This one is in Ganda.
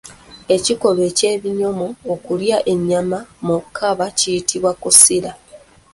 Ekikolwa ky’ebinyomo okulya ennyama ku kaba kiyitibwa Kusira.